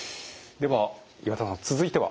では岩田さん続いては？